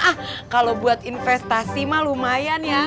ah kalau buat investasi mah lumayan ya